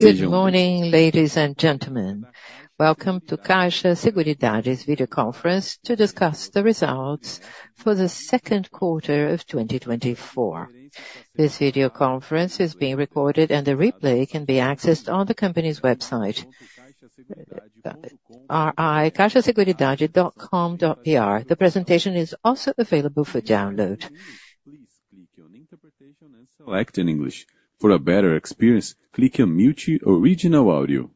Good morning, ladies and gentlemen. Welcome to Caixa Seguridade's video conference to discuss the results for the second quarter of 2024. This video conference is being recorded, and the replay can be accessed on the company's website, ri.caixaseguridade.com.br. The presentation is also available for download. Please click on Interpretation and select English. For a better experience, click on Mute Original Audio.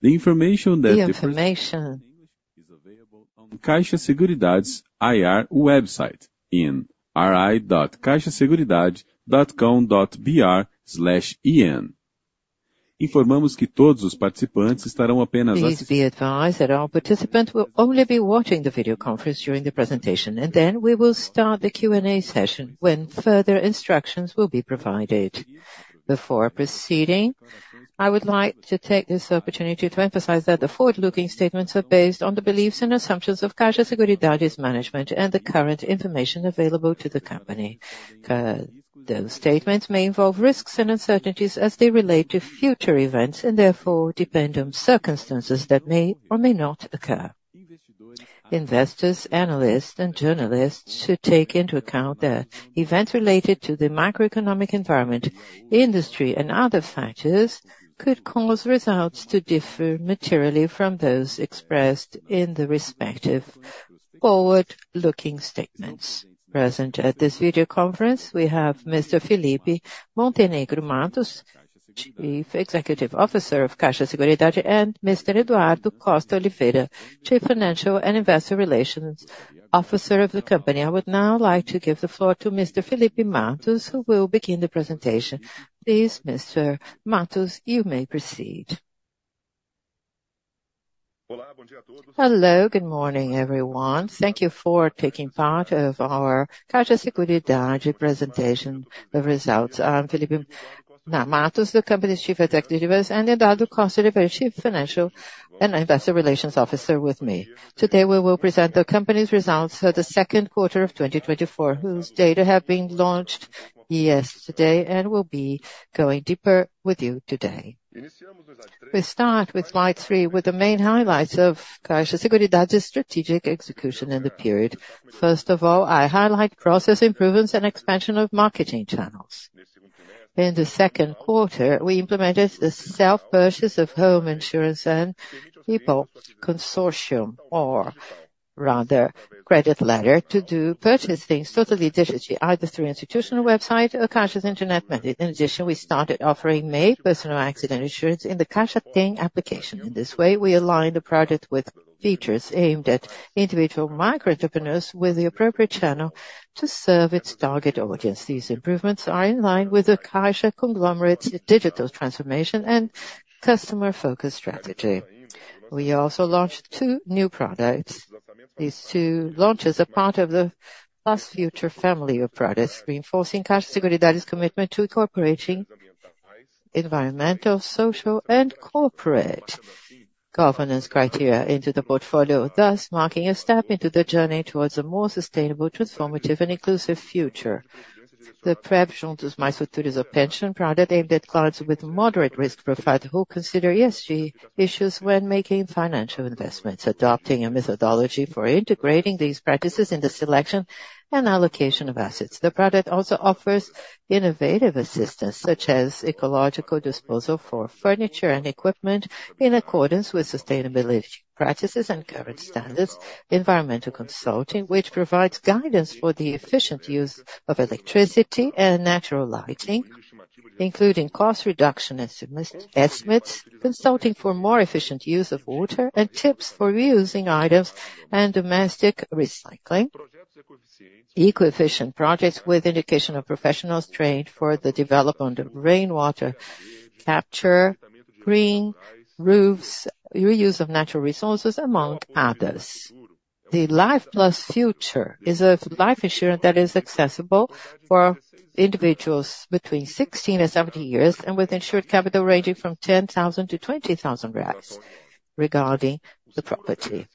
The information that- The information. Is available on Caixa Seguridade's IR website in ri.caixaseguridade.com.br/en. Please be advised that our participants will only be watching the video conference during the presentation, and then we will start the Q&A session, when further instructions will be provided. Before proceeding, I would like to take this opportunity to emphasize that the forward-looking statements are based on the beliefs and assumptions of Caixa Seguridade's management and the current information available to the company. Those statements may involve risks and uncertainties as they relate to future events, and therefore depend on circumstances that may or may not occur. Investors, analysts, and journalists should take into account that events related to the macroeconomic environment, industry, and other factors could cause results to differ materially from those expressed in the respective forward-looking statements. Present at this video conference, we have Mr. Felipe Montenegro Mattos, Chief Executive Officer of Caixa Seguridade, and Mr. Eduardo Costa de Oliveira, Chief Financial and Investor Relations Officer of the company. I would now like to give the floor to Mr. Felipe Mattos, who will begin the presentation. Please, Mr. Mattos, you may proceed. Hello, good morning, everyone. Thank you for taking part of our Caixa Seguridade presentation, the results. I'm Felipe Mattos, the company's Chief Executive Officer, and Eduardo Costa de Oliveira, Chief Financial and Investor Relations Officer with me. Today, we will present the company's results for the second quarter of 2024, whose data have been launched yesterday, and we'll be going deeper with you today. We start with Slide 3, with the main highlights of Caixa Seguridade's strategic execution in the period. First of all, I highlight process improvements and expansion of marketing channels. In the second quarter, we implemented the self-purchase of home insurance and people consortium, or rather, credit letter to do purchasing totally digitally, either through institutional website or Caixa's internet menu. In addition, we started offering MEI personal accident insurance in the Caixa application. In this way, we align the product with features aimed at individual micro-entrepreneurs with the appropriate channel to serve its target audience. These improvements are in line with the Caixa conglomerate's digital transformation and customer-focused strategy. We also launched two new products. These two launches are part of the Plus Future family of products, reinforcing Caixa Seguridade's commitment to incorporating environmental, social, and corporate governance criteria into the portfolio, thus marking a step into the journey towards a more sustainable, transformative, and inclusive future. The Prev Juntos Meu Futuro is a pension product aimed at clients with moderate risk profile, who consider ESG issues when making financial investments, adopting a methodology for integrating these practices in the selection and allocation of assets. The product also offers innovative assistance, such as ecological disposal for furniture and equipment in accordance with sustainability practices and current standards, environmental consulting, which provides guidance for the efficient use of electricity and natural lighting, including cost reduction and estimates, consulting for more efficient use of water, and tips for reusing items and domestic recycling. Eco-efficient projects with education of professionals trained for the development of rainwater capture, green roofs, reuse of natural resources, among others. The Life Plus Future is a life insurance that is accessible for individuals between 16 and 70 years, and with insured capital ranging from 10,000 to 20,000 reais reals, regarding the property.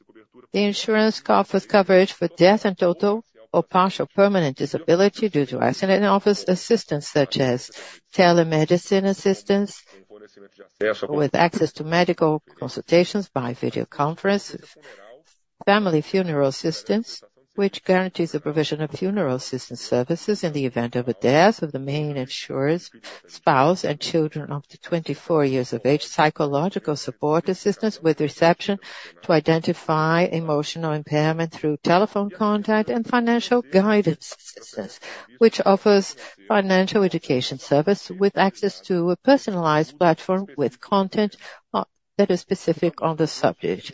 The insurance comes with coverage for death and total or partial permanent disability due to accident, and offers assistance such as telemedicine assistance, with access to medical consultations by video conference. Family funeral assistance, which guarantees the provision of funeral assistance services in the event of a death of the main insurer's spouse and children up to 24 years of age, psychological support assistance, with reception to identify emotional impairment through telephone contact, and financial guidance assistance, which offers financial education service with access to a personalized platform with content, that is specific on the subject.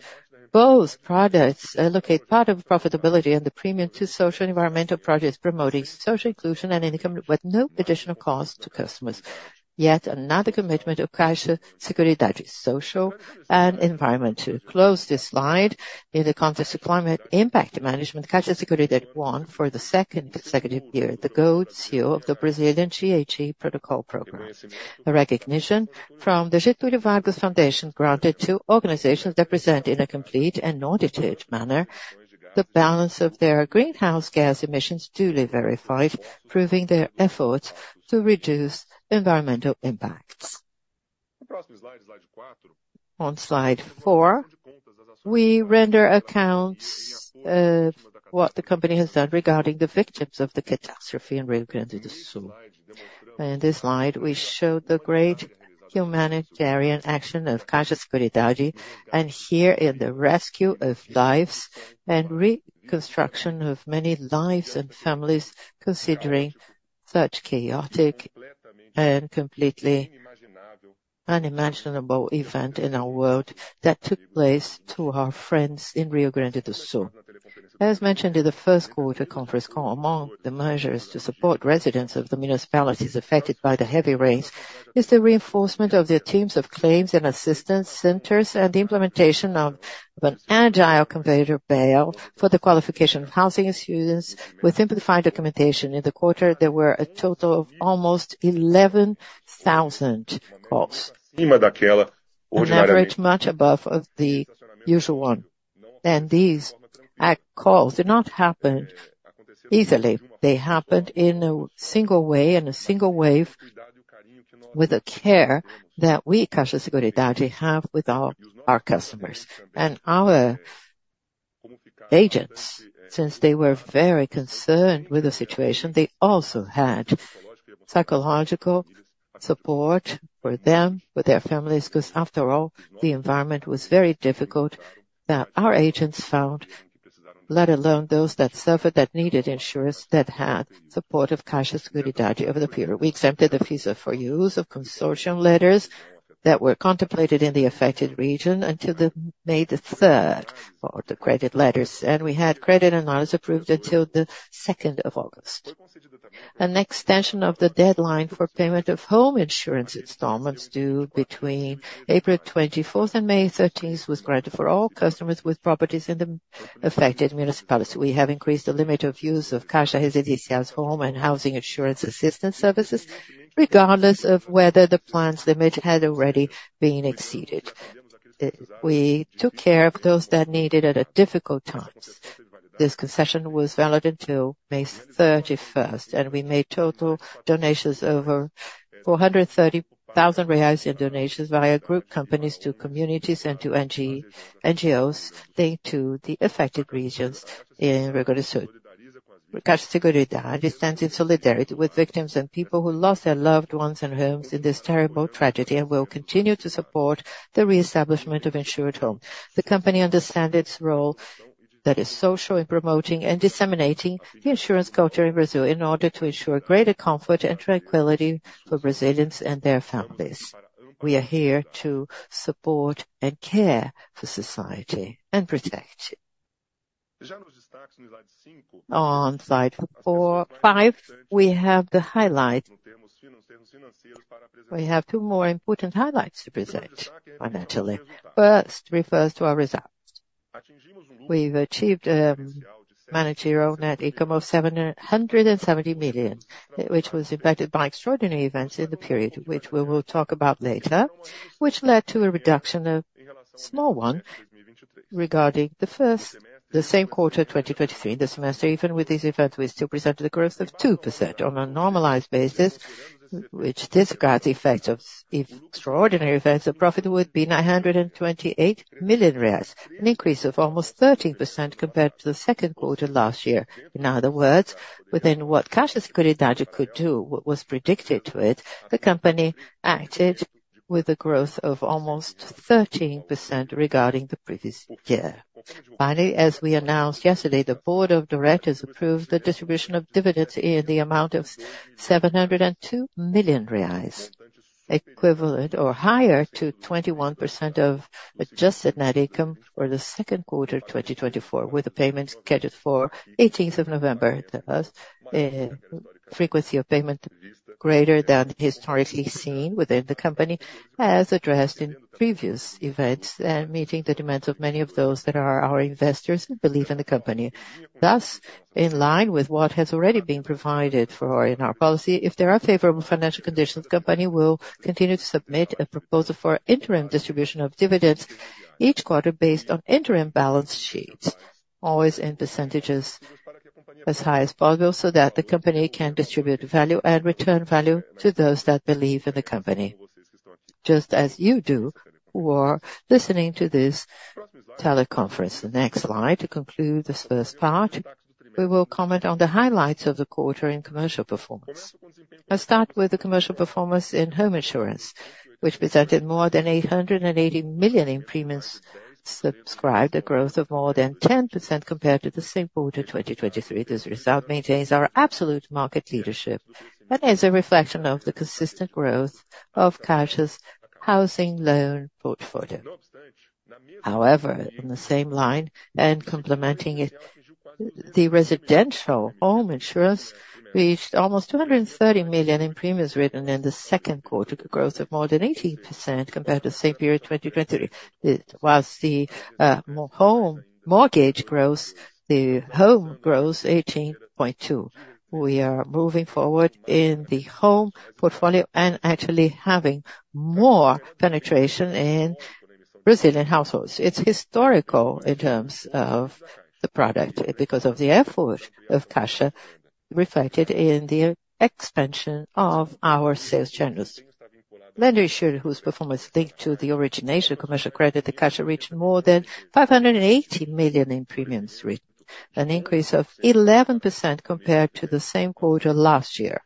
Both products allocate part of profitability and the premium to social environmental projects, promoting social inclusion and income, with no additional cost to customers. Yet another commitment of Caixa Seguridade's social and environmental. To close this Slide, in the context of climate impact management, Caixa Seguridade won for the second consecutive year, the Gold Seal of the Brazilian GHG Protocol program, a recognition from the Getúlio Vargas Foundation, granted to organizations that present, in a complete and audited manner, the balance of their greenhouse gas emissions duly verified, proving their efforts to reduce environmental impacts. On Slide 4, we render accounts of what the company has done regarding the victims of the catastrophe in Rio Grande do Sul. In this Slide, we show the great humanitarian action of Caixa Seguridade, and here in the rescue of lives and reconstruction of many lives and families, considering such chaotic and completely unimaginable event in our world that took place to our friends in Rio Grande do Sul. As mentioned in the first quarter conference call, among the measures to support residents of the municipalities affected by the heavy rains, is the reinforcement of their teams of claims and assistance centers, and the implementation of an agile conveyor belt for the qualification of housing issues with simplified documentation. In the quarter, there were a total of almost 11,000 calls, an average much above of the usual one, and these claims calls did not happen easily. They happened in a single way, in a single wave, with the care that we, Caixa Seguridade, have with our, our customers. Our agents, since they were very concerned with the situation, they also had psychological support for them, for their families, 'cause after all, the environment was very difficult that our agents found, let alone those that suffered, that needed insurance, that had support of Caixa Seguridade over the period. We exempted the visa for use of consortium letters that were contemplated in the affected region until May 3rd, for the credit letters, and we had credit analysis approved until August 2. An extension of the deadline for payment of home insurance installments, due between April 24th and May 13th, was granted for all customers with properties in the affected municipality. We have increased the limit of use of Caixa Residencial's home and housing insurance assistance services, regardless of whether the plan's limit had already been exceeded. We took care of those that needed it at difficult times. This concession was valid until May 31st, and we made total donations over 430,000 reais in donations via group companies to communities and to NGOs, to the affected regions in Rio Grande do Sul. Caixa Seguridade stands in solidarity with victims and people who lost their loved ones and homes in this terrible tragedy, and will continue to support the reestablishment of insured homes. The company understands its role, that is social, in promoting and disseminating the insurance culture in Brazil, in order to ensure greater comfort and tranquility for Brazilians and their families. We are here to support and care for society and protect it. On Slide 4-5, we have the highlight. We have two more important highlights to present, financially. First, refers to our results. We've achieved managerial net income of 770 million, which was impacted by extraordinary events in the period, which we will talk about later, which led to a reduction of, small one, regarding the first, the same quarter, 2023. This semester, even with this event, we still presented a growth of 2% on a normalized basis, which disregards the effect of extraordinary events. The profit would be 928 million reais, an increase of almost 13% compared to the second quarter last year. In other words, within what Caixa Seguridade could do, what was predicted to it, the company acted with a growth of almost 13% regarding the previous year. Finally, as we announced yesterday, the board of directors approved the distribution of dividends in the amount of 702 million reais, equivalent or higher to 21% of adjusted net income for the second quarter, 2024, with the payments scheduled for November 18th. Thus, frequency of payment greater than historically seen within the company, as addressed in previous events, and meeting the demands of many of those that are our investors who believe in the company. Thus, in line with what has already been provided for in our policy, if there are favorable financial conditions, the company will continue to submit a proposal for interim distribution of dividends each quarter, based on interim balance sheets, always in percentages as high as possible, so that the company can distribute value and return value to those that believe in the company. Just as you do, who are listening to this teleconference. The next Slide, to conclude this first part, we will comment on the highlights of the quarter in commercial performance. I'll start with the commercial performance in home insurance, which presented more than 880 million in premiums subscribed, a growth of more than 10% compared to the same quarter, 2023. This result maintains our absolute market leadership and is a reflection of the consistent growth of Caixa's housing loan portfolio. However, in the same line and complementing it, the residential home insurance reached almost 230 million in premiums written in the second quarter, a growth of more than 18% compared to the same period, 2023. While the home mortgage grows, the home grows 18.2. We are moving forward in the home portfolio and actually having more penetration in Brazilian households. It's historical in terms of the product, because of the effort of Caixa reflected in the expansion of our sales channels. Lending insurer, whose performance linked to the origination commercial credit, Caixa reached more than 580 million in premiums written, an increase of 11% compared to the same quarter last year.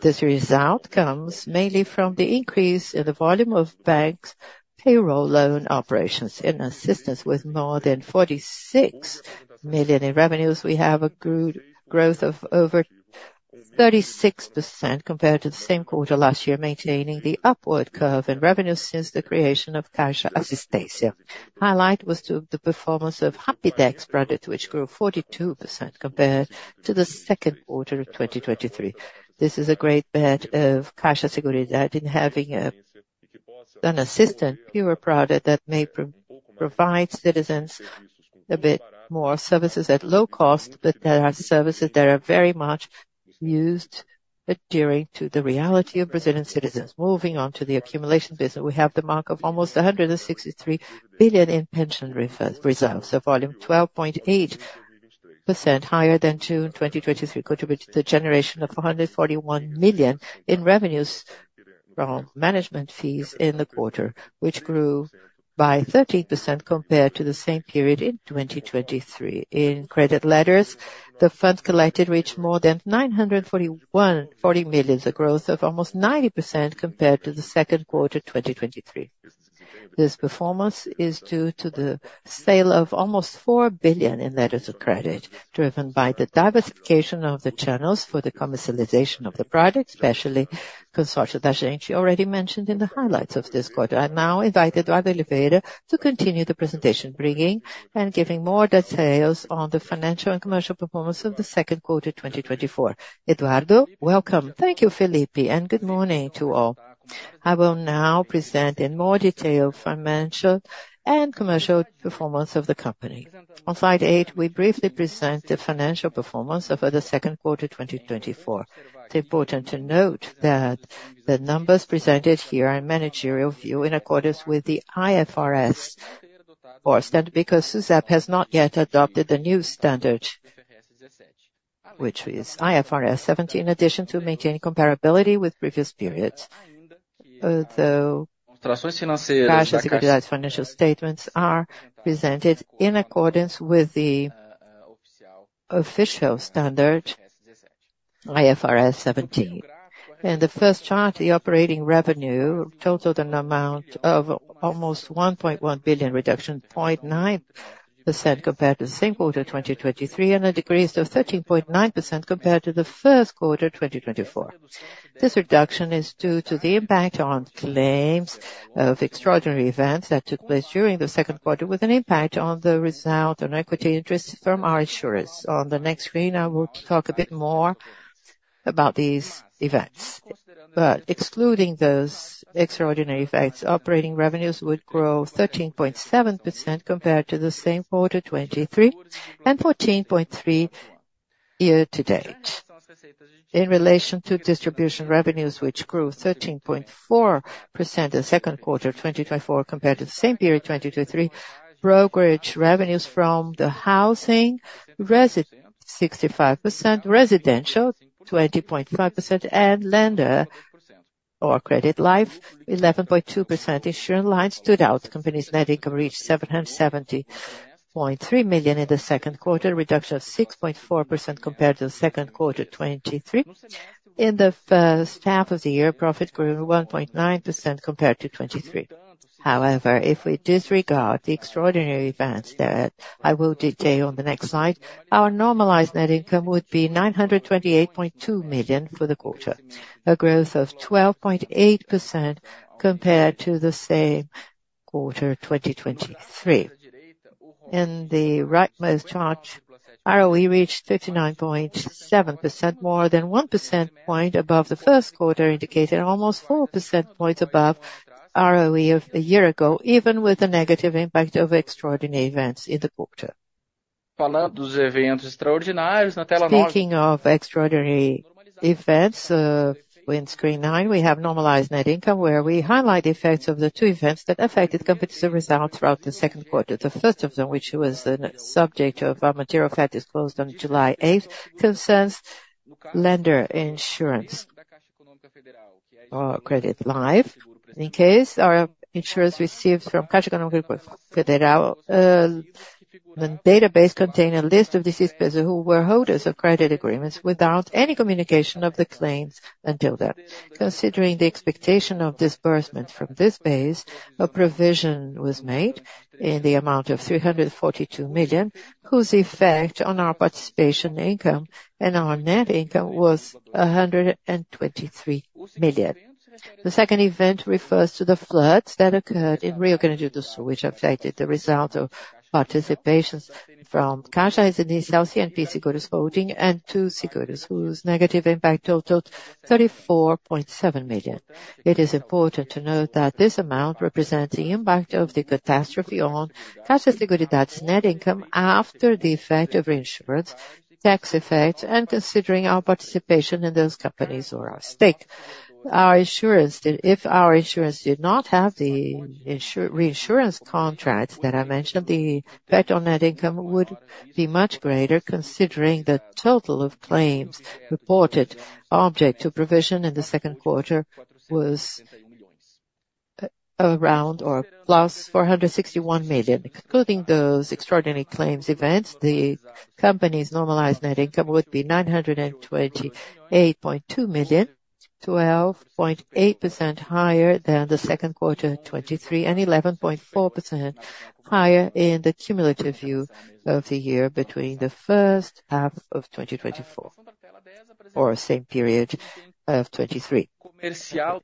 This result comes mainly from the increase in the volume of banks' payroll loan operations. In Assistência, with more than 46 million in revenues, we have a good growth of over 36% compared to the same quarter last year, maintaining the upward curve in revenue since the creation of Caixa Assistência. Highlight was the performance of Rapidex product, which grew 42% compared to the second quarter of 2023. This is a great bet of Caixa Seguridade in having an assistance pure product that may provide citizens a bit more services at low cost, but that are services that are very much used, adhering to the reality of Brazilian citizens. Moving on to the accumulation business, we have the mark of almost 163 billion in pension reserves, a volume 12.8% higher than June 2023, contributed to the generation of 441 million in revenues from management fees in the quarter, which grew by 13% compared to the same period in 2023. In credit letters, the funds collected reached more than 941.40 million, a growth of almost 90% compared to the second quarter, 2023. This performance is due to the sale of almost 4 billion in letters of credit, driven by the diversification of the channels for the commercialization of the product, especially Consórcio das Agências, already mentioned in the highlights of this quarter. I now invite Eduardo Oliveira to continue the presentation, bringing and giving more details on the financial and commercial performance of the second quarter, 2024. Eduardo, welcome. Thank you, Felipe, and good morning to all. I will now present in more detail financial and commercial performance of the company. On Slide 8, we briefly present the financial performance over the second quarter, 2024. It's important to note that the numbers presented here are managerial view in accordance with the IFRS standard, because SUSEP has not yet adopted the new standard, which is IFRS 17, in addition to maintaining comparability with previous periods. Although Caixa Seguridade's financial statements are presented in accordance with the official standard, IFRS 17. In the first chart, the operating revenue totaled an amount of almost 1.1 billion, reduction 0.9% compared to the same quarter, 2023, and a decrease of 13.9% compared to the first quarter, 2024. This reduction is due to the impact on claims of extraordinary events that took place during the second quarter, with an impact on the result on equity interest from our insurers. On the next Screen, I will talk a bit more about these events. But excluding those extraordinary events, operating revenues would grow 13.7% compared to the same quarter, 2023, and 14.3% year to date. In relation to distribution revenues, which grew 13.4% in the second quarter of 2024 compared to the same period 2023, brokerage revenues from the housing 65%, residential 20.5%, and lender or credit life 11.2%, insurance line stood out. Company's net income reached 770.3 million in the second quarter, a reduction of 6.4% compared to the second quarter 2023. In the first half of the year, profit grew 1.9% compared to 2023. However, if we disregard the extraordinary events that I will detail on the next Slide, our normalized net income would be 928.2 million for the quarter, a growth of 12.8% compared to the same quarter 2023. In the rightmost chart, ROE reached 59.7%, more than 1 percentage point above the first quarter, indicating almost 4 percentage points above ROE of a year ago, even with the negative impact of extraordinary events in the quarter. Speaking of extraordinary events, in Screen 9, we have normalized net income, where we highlight the effects of the two events that affected company's results throughout the second quarter. The first of them, which was the subject of a material fact disclosed on July 8th, concerns lender insurance or credit life. In this case, our insurers received from Caixa Econômica Federal the database contained a list of deceased persons who were holders of credit agreements without any communication of the claims until then. Considering the expectation of disbursement from this base, a provision was made in the amount of 342 million, whose effect on our participation income and our net income was 123 million. The second event refers to the floods that occurred in Rio de Janeiro do Sul, which affected the result of participations from Caixa Seguridade, CNP Seguros Holding, and Tokio Seguros, whose negative impact totaled 34.7 million. It is important to note that this amount represents the impact of the catastrophe on Caixa Seguridade's net income after the effect of reinsurance, tax effect, and considering our participation in those companies or our stake. Our insurance, if our insurance did not have the reinsurance contracts that I mentioned, the effect on net income would be much greater, considering the total of claims reported subject to provision in the second quarter was. Around, or plus, 461 million. Including those extraordinary claims events, the company's normalized net income would be 928.2 million, 12.8% higher than the second quarter 2023, and 11.4% higher in the cumulative view of the year between the first half of 2024, or same period of 2023.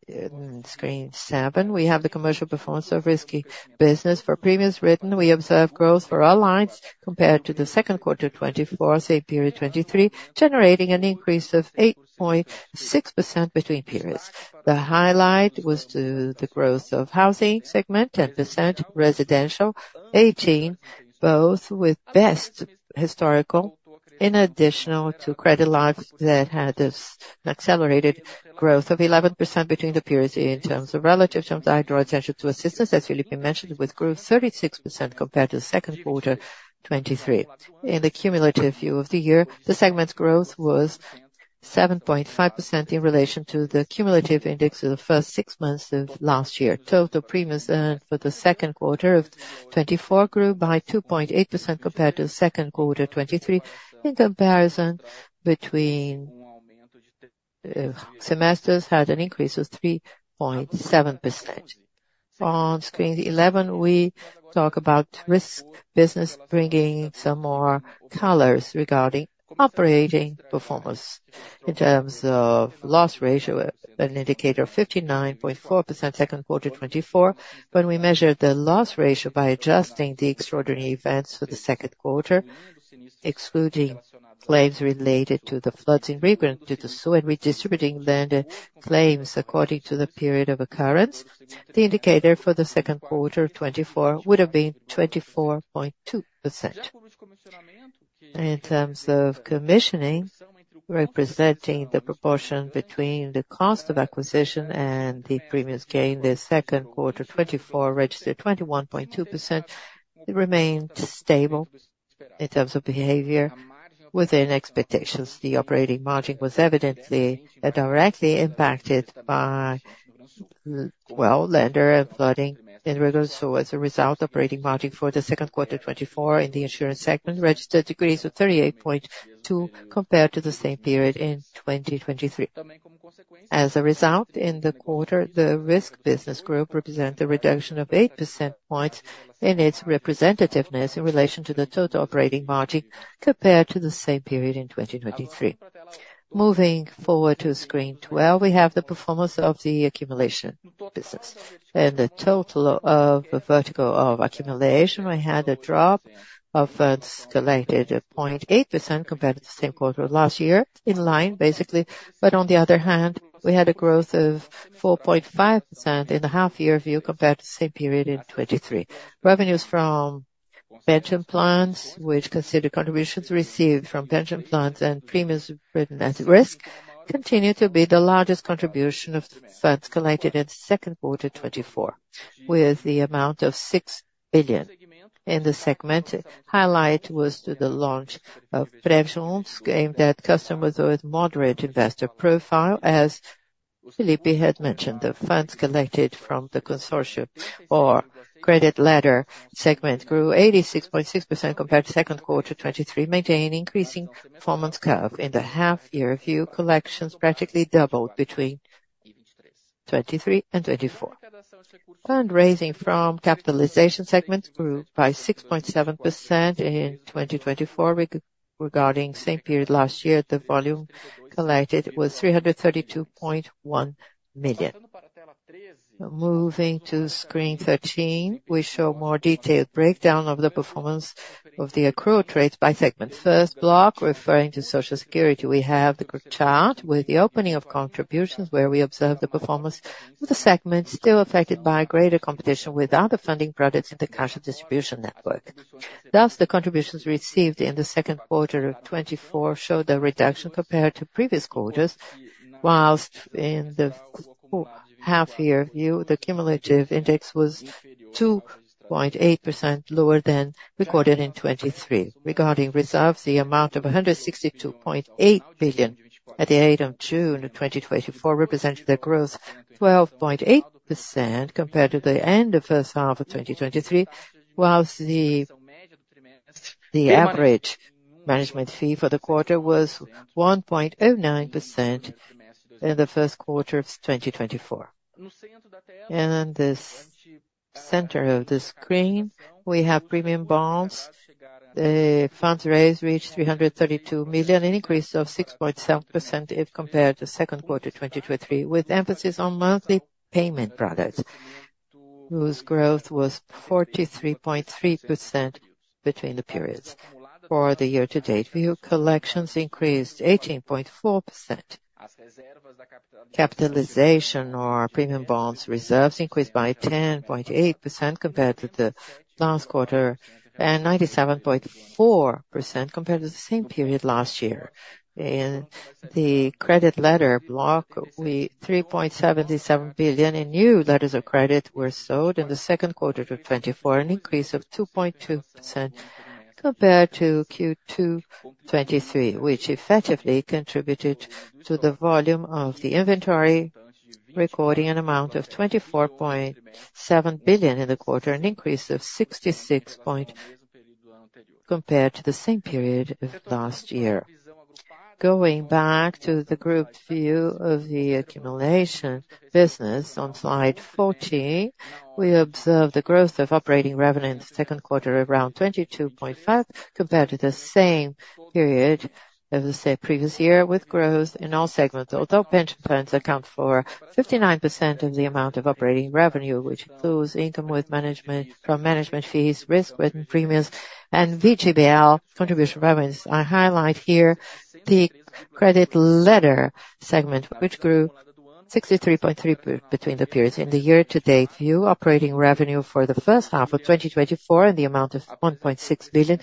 In Screen 7, we have the commercial performance of risky business. For premiums written, we observe growth for all lines compared to the second quarter 2024, same period 2023, generating an increase of 8.6% between periods. The highlight was to the growth of housing segment, 10%, residential 18, both with best historical. In addition to credit life, that had an accelerated growth of 11% between the periods in terms of relative. In terms, I draw attention to assistance, as Felipe mentioned, with growth 36% compared to the second quarter 2023. In the cumulative view of the year, the segment's growth was 7.5% in relation to the cumulative index of the first six months of last year. Total premiums earned for the second quarter of 2024 grew by 2.8% compared to the second quarter 2023, in comparison between, semesters, had an increase of 3.7%. On Screen 11, we talk about risk business, bringing some more colors regarding operating performance. In terms of loss ratio, an indicator of 59.4% second quarter 2024. When we measure the loss ratio by adjusting the extraordinary events for the second quarter, excluding claims related to the floods in Rio Grande do Sul, and redistributing weather claims according to the period of occurrence, the indicator for the second quarter of 2024 would have been 24.2%. In terms of commissions, representing the proportion between the cost of acquisition and the premiums gained, the second quarter 2024 registered 21.2%. It remained stable in terms of behavior within expectations. The operating margin was evidently, directly impacted by, well, weather and flooding in Rio Grande do Sul. As a result, operating margin for the second quarter 2024 in the insurance segment registered degrees of 38.2, compared to the same period in 2023. As a result, in the quarter, the risk business group represent a reduction of 8 percentage points in its representativeness in relation to the total operating margin, compared to the same period in 2023. Moving forward to Screen 12, we have the performance of the accumulation business. The total of the vertical of accumulation, we had a drop of funds collected of 0.8% compared to the same quarter last year, in line, basically. On the other hand, we had a growth of 4.5% in the half-year view, compared to the same period in 2023. Revenues from pension plans, which consider contributions received from pension plans and premiums written as risk, continue to be the largest contribution of funds collected in the second quarter 2024, with the amount of 6 billion. In the segment, highlight was to the launch of Prev Juntos, aimed at customers with moderate investor profile. As Felipe had mentioned, the funds collected from the consortium or credit letter segment grew 86.6% compared to second quarter 2023, maintaining increasing performance curve. In the half year view, collections practically doubled between 2023 and 2024. Fundraising from capitalization segment grew by 6.7% in 2024. Regarding same period last year, the volume collected was 332.1 million. Moving to Screen 13, we show more detailed breakdown of the performance of the accrued rates by segment. First block, referring to Social Security, we have the chart with the opening of contributions, where we observe the performance of the segment, still affected by greater competition with other funding products in the cash distribution network. Thus, the contributions received in the second quarter of 2024 showed a reduction compared to previous quarters, whilst in the whole half-year view, the cumulative index was 2.8% lower than recorded in 2023. Regarding reserves, the amount of 162.8 billion at the eighth of June of 2024 represents the growth 12.8% compared to the end of first half of 2023, whilst the average management fee for the quarter was 1.09% in the first quarter of 2024. And then this center of the Screen, we have premium bonds. The funds raised reached 332 million, an increase of 6.7% if compared to second quarter 2023, with emphasis on monthly payment products, whose growth was 43.3% between the periods. For the year-to-date view, collections increased 18.4%. Capitalization or premium bonds reserves increased by 10.8% compared to the last quarter, and 97.4% compared to the same period last year. In the credit letter block, 3.77 billion in new letters of credit were sold in the second quarter of 2024, an increase of 2.2% compared to Q2 2023, which effectively contributed to the volume of the inventory, recording an amount of 24.7 billion in the quarter, an increase of 66 point, compared to the same period of last year. Going back to the grouped view of the accumulation business on Slide 14, we observe the growth of operating revenue in the second quarter, around 22.5, compared to the same period as the same previous year, with growth in all segments. Although pension plans account for 59% of the amount of operating revenue, which includes income from management fees, risk-written premiums, and VGBL contribution revenues. I highlight here the credit letter segment, which grew 63.3 between the periods. In the year-to-date view, operating revenue for the first half of 2024, in the amount of 1.6 billion,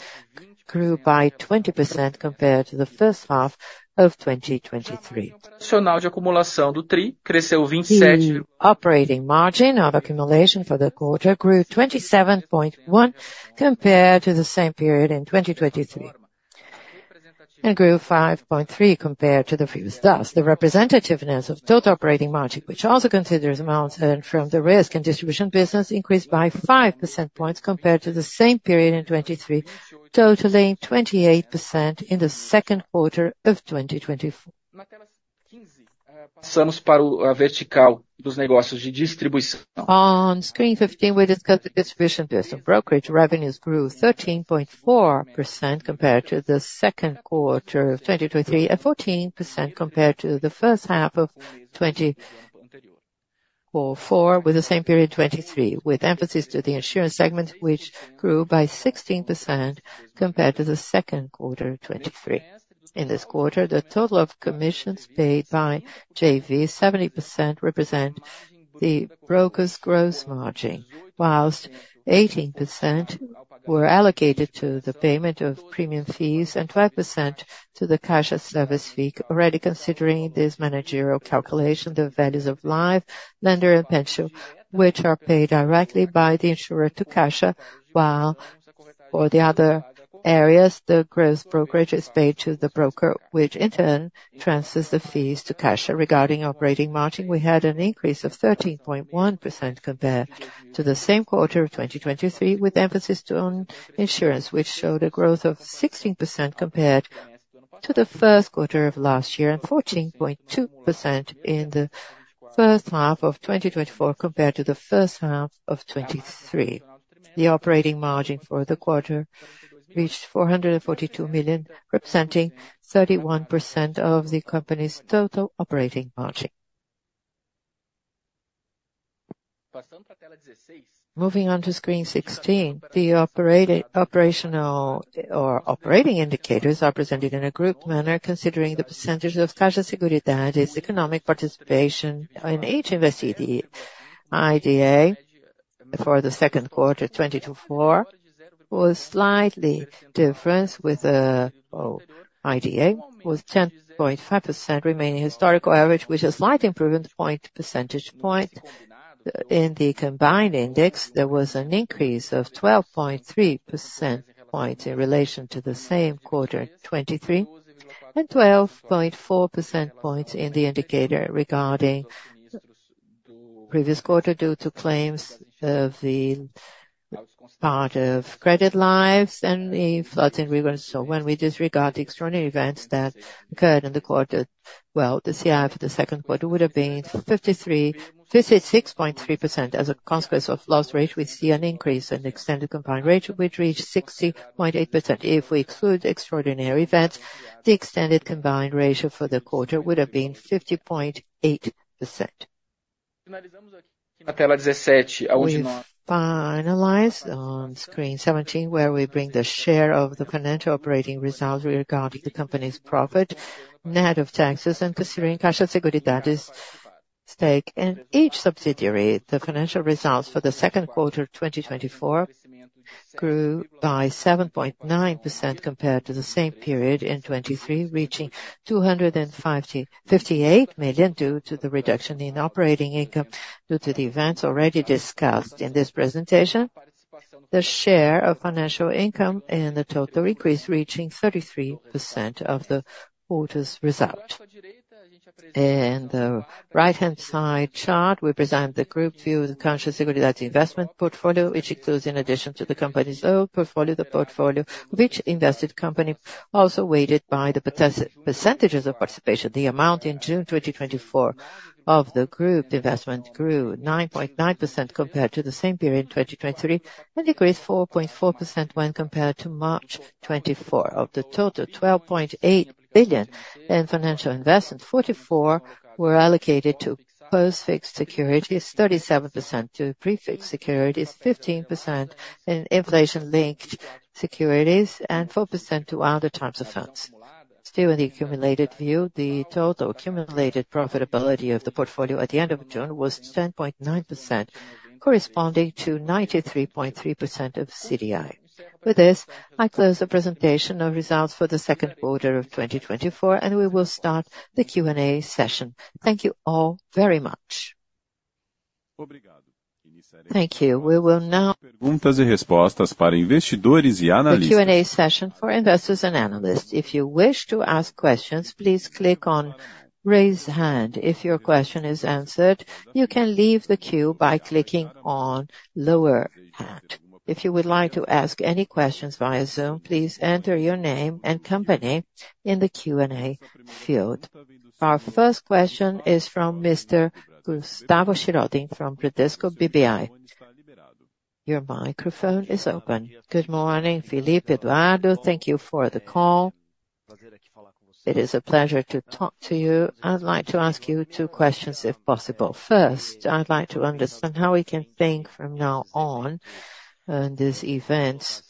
grew by 20% compared to the first half of 2023. The operating margin of accumulation for the quarter grew 27.1, compared to the same period in 2023, and grew 5.3, compared to the previous. Thus, the representativeness of total operating margin, which also considers amounts earned from the risk and distribution business, increased by 5 percentage points compared to the same period in 2023, totaling 28% in the second quarter of 2024. On Screen 15, we discuss the distribution business. Brokerage revenues grew 13.4% compared to the second quarter of 2023, and 14% compared to the first half of 2024, with the same period, 2023, with emphasis to the insurance segment, which grew by 16% compared to the second quarter of 2023. In this quarter, the total of commissions paid by JV, 70% represent the broker's gross margin, whilst 18% were allocated to the payment of premium fees and 12% to the Caixa services fee, already considering this managerial calculation, the values of life, lender, and pension, which are paid directly by the insurer to Caixa, while for the other areas, the gross brokerage is paid to the broker, which in turn transfers the fees to Caixa. Regarding operating margin, we had an increase of 13.1% compared to the same quarter of 2023, with emphasis to own insurance, which showed a growth of 16% compared to the first quarter of last year, and 14.2% in the first half of 2024 compared to the first half of 2023. The operating margin for the quarter reached 442 million, representing 31% of the company's total operating margin. Moving on to Screen 16, the operating, operational or operating indicators are presented in a grouped manner, considering the percentage of Caixa Seguridade's economic participation in each investee. IDA, for the second quarter 2024, was slightly different, IDA was 10.5%, remaining historical average, which is slight improvement percentage point. In the combined index, there was an increase of 12.3 percentage points in relation to the same quarter, 2023, and 12.4 percentage points in the indicator regarding previous quarter, due to claims of the part of credit lives and the floods in Rio. So when we disregard the extraordinary events that occurred in the quarter, well, the CI for the second quarter would have been 53%, 56.3%. As a consequence of loss rate, we see an increase in extended combined ratio, which reached 60.8%. If we exclude extraordinary events, the extended combined ratio for the quarter would have been 50.8%. We've finalized on Screen 17, where we bring the share of the financial operating results regarding the company's profit, net of taxes, and considering Caixa Seguridade's stake in each subsidiary. The financial results for the second quarter of 2024 grew by 7.9% compared to the same period in 2023, reaching 258 million, due to the reduction in operating income due to the events already discussed in this presentation. The share of financial income and the total increase, reaching 33% of the quarter's result. In the right-hand side chart, we present the group view of the Caixa Seguridade investment portfolio, which includes, in addition to the company's own portfolio, the portfolio which invested company also weighted by the percentages of participation. The amount in June 2024 of the group investment grew 9.9% compared to the same period in 2023, and increased 4.4% when compared to March 2024. Of the total, 12.8 billion in financial investments, 44 were allocated to post-fixed securities, 37% to pre-fixed securities, 15% in inflation-linked securities, and 4% to other types of funds. Still, in the accumulated view, the total accumulated profitability of the portfolio at the end of June was 10.9%, corresponding to 93.3% of CDI. With this, I close the presentation of results for the second quarter of 2024, and we will start the Q&A session. Thank you all very much! Thank you. We will now, the Q&A session for investors and analysts. If you wish to ask questions, please click on Raise Hand. If your question is answered, you can leave the queue by clicking on Lower Hand. If you would like to ask any questions via Zoom, please enter your name and company in the Q&A field. Our first question is from Mr. Gustavo Schild from Bradesco BBI. Your microphone is open. Good morning, Felipe Eduardo. Thank you for the call. It is a pleasure to talk to you. I'd like to ask you two questions, if possible. First, I'd like to understand how we can think from now on, this event,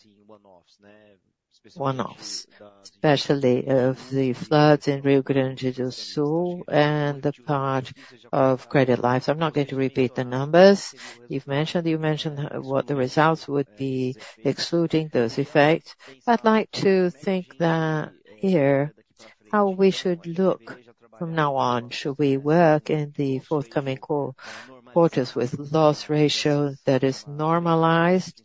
one-offs, especially of the floods in Rio Grande do Sul, and the part of credit life. I'm not going to repeat the numbers you've mentioned. You mentioned, what the results would be excluding those effects. I'd like to think that here, how we should look from now on. Should we work in the forthcoming call quarters with loss ratio that is normalized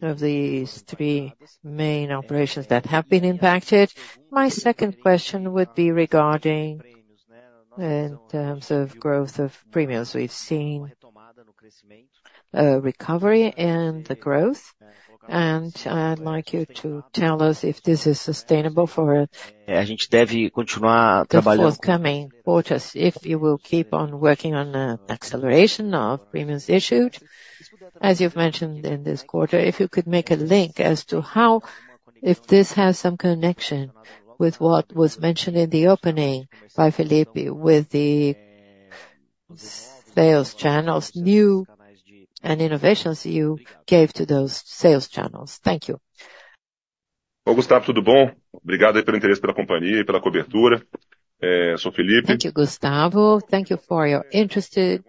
of these three main operations that have been impacted? My second question would be regarding in terms of growth of premiums. We've seen recovery and the growth, and I'd like you to tell us if this is sustainable for the forthcoming quarters, if you will keep on working on the acceleration of premiums issued. As you've mentioned in this quarter, if you could make a link as to how if this has some connection with what was mentioned in the opening by Felipe with the sales channels, new and innovations you gave to those sales channels. Thank you. Thank you, Gustavo. Thank you for your interest in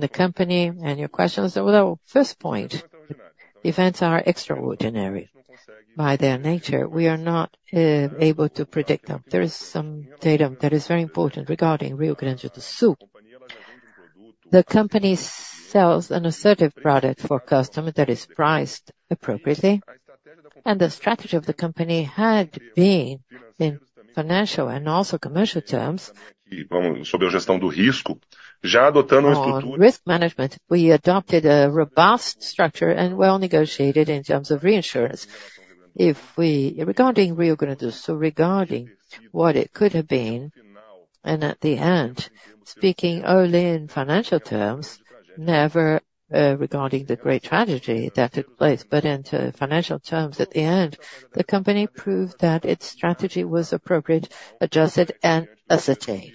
the company and your questions. So well, first point, events are extraordinary. By their nature, we are not able to predict them. There is some data that is very important regarding Rio Grande do Sul. The company sells an assertive product for customer that is priced appropriately, and the strategy of the company had been in financial and also commercial terms. On risk management, we adopted a robust structure and well negotiated in terms of reinsurance. If we regarding Rio Grande do Sul, regarding what it could have been, and at the end, speaking only in financial terms, never, regarding the great tragedy that took place, but into financial terms, at the end, the company proved that its strategy was appropriate, adjusted, and ascertain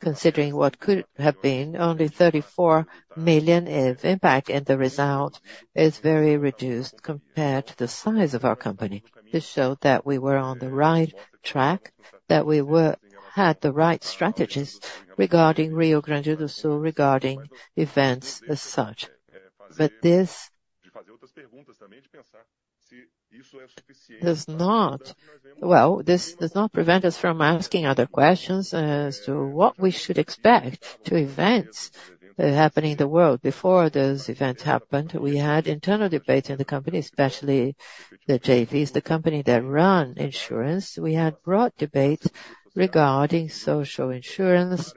considering what could have been only 34 million of impact, and the result is very reduced compared to the size of our company. This showed that we were on the right track, that we were had the right strategies regarding Rio Grande do Sul, regarding events as such. But this. Does not, well, this does not prevent us from asking other questions as to what we should expect to events that happen in the world. Before those events happened, we had internal debates in the company, especially the JVs, the company that run insurance. We had broad debates regarding social insurance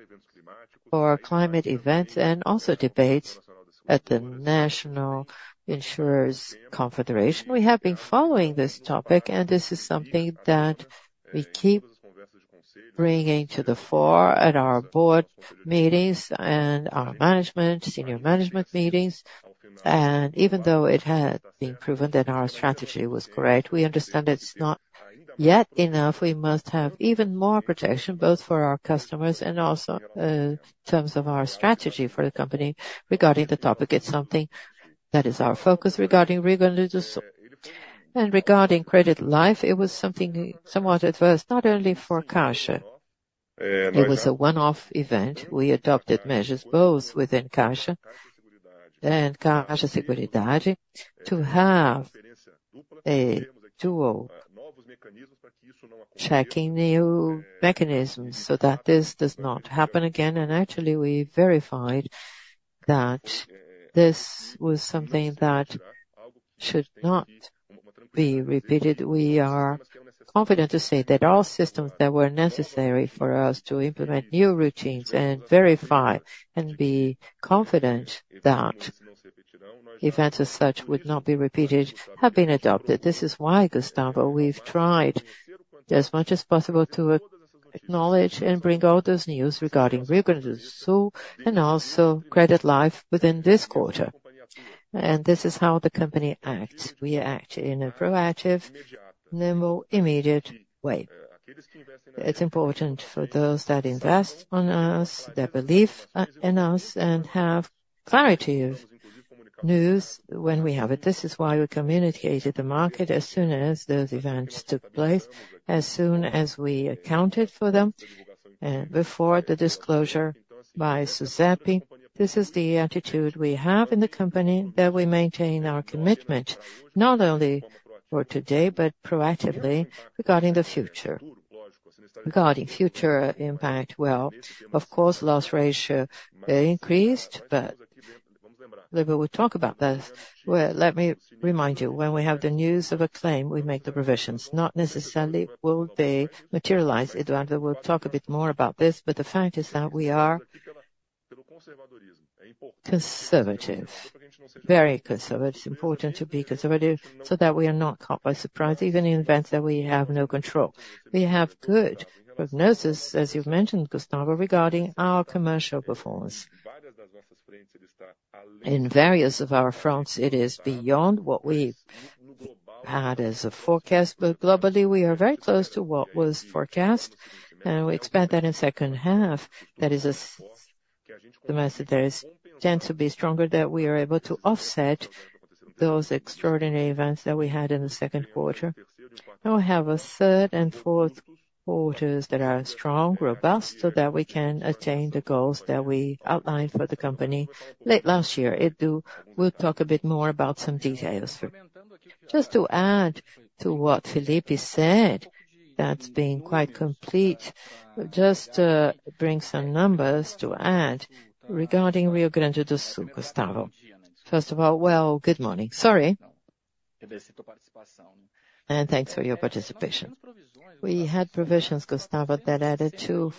or climate events, and also debates at the National Insurers Confederation. We have been following this topic, and this is something that we keep bringing to the fore at our board meetings and our management, senior management meetings. And even though it had been proven that our strategy was correct, we understand it's not yet enough. We must have even more protection, both for our customers and also in terms of our strategy for the company regarding the topic. It's something that is our focus regarding Rio Grande do Sul. Regarding credit life, it was something somewhat adverse, not only for Caixa. It was a one-off event. We adopted measures both within Caixa and Caixa Seguridade, to have a dual checking new mechanisms so that this does not happen again. Actually, we verified that this was something that should not be repeated. We are confident to say that all systems that were necessary for us to implement new routines and verify and be confident that events as such would not be repeated, have been adopted. This is why, Gustavo, we've tried as much as possible to acknowledge and bring out this news regarding Rio Grande do Sul and also credit life within this quarter. This is how the company acts. We act in a proactive, nimble, immediate way. It's important for those that invest on us, that believe, in us and have clarity of news when we have it. This is why we communicated the market as soon as those events took place, as soon as we accounted for them, before the disclosure by Susep. This is the attitude we have in the company, that we maintain our commitment not only for today, but proactively regarding the future. Regarding future impact, well, of course, loss ratio increased, but like we would talk about this, well, let me remind you, when we have the news of a claim, we make the provisions. Not necessarily will they materialize. Eduardo will talk a bit more about this, but the fact is that we are conservative, very conservative. It's important to be conservative so that we are not caught by surprise, even in events that we have no control. We have good prognosis, as you've mentioned, Gustavo, regarding our commercial performance. In various of our fronts, it is beyond what we've had as a forecast. But globally, we are very close to what was forecast, and we expect that in second half, that is the message there is tend to be stronger, that we are able to offset those extraordinary events that we had in the second quarter. And we have a third and fourth quarters that are strong, robust, so that we can attain the goals that we outlined for the company late last year. We'll talk a bit more about some details. Just to add to what Felipe said, that's been quite complete. Just, bring some numbers to add regarding Rio Grande do Sul, Gustavo. First of all, well, good morning. Sorry. And thanks for your participation. We had provisions, Gustavo, that added to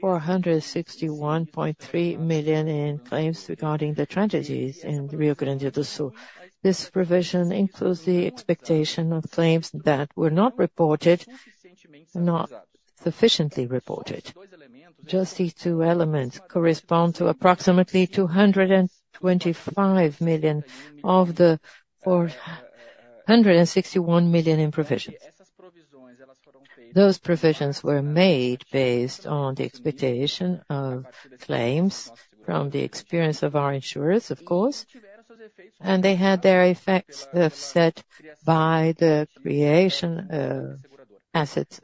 461.3 million in claims regarding the tragedies in Rio Grande do Sul. This provision includes the expectation of claims that were not reported, not sufficiently reported. Just these two elements correspond to approximately 225 million of the 461.3 million in provisions. Those provisions were made based on the expectation of claims from the experience of our insurers, of course, and they had their effects offset by the creation of assets,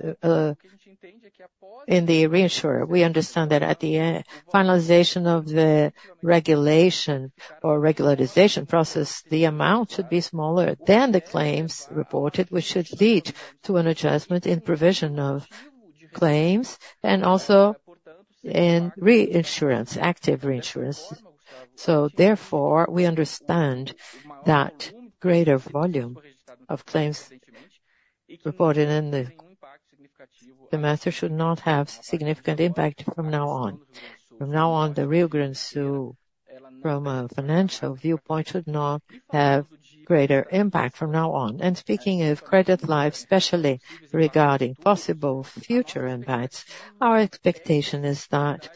in the reinsurer. We understand that at the end, finalization of the regulation or regularization process, the amount should be smaller than the claims reported, which should lead to an adjustment in provision of claims and also in reinsurance, active reinsurance. So therefore, we understand that greater volume of claims reported in the matter should not have significant impact from now on. From now on, the Rio Grande do Sul, from a financial viewpoint, should not have greater impact from now on. And speaking of credit life, especially regarding possible future impacts, our expectation is that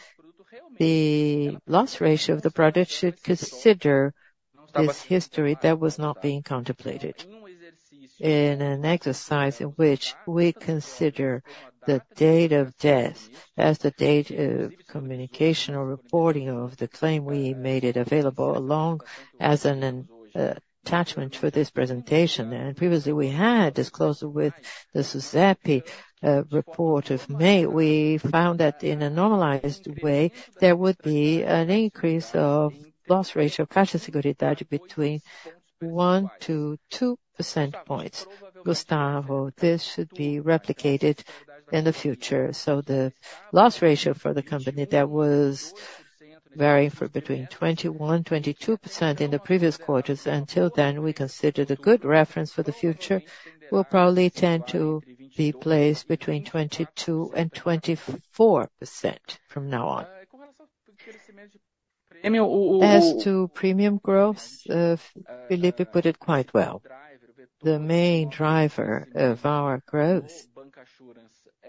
the loss ratio of the product should consider this history that was not being contemplated. In an exercise in which we consider the date of death as the date of communication or reporting of the claim, we made it available along as an attachment for this presentation. And previously, we had disclosed with the SUSEP report of May. We found that in a normalized way, there would be an increase of loss ratio of Caixa Seguridade between one to two percent points. Gustavo, this should be replicated in the future. So the loss ratio for the company that was varying for between 21, 22% in the previous quarters, until then, we considered a good reference for the future, will probably tend to be placed between 22%-24% from now on. As to premium growth, Felipe put it quite well. The main driver of our growth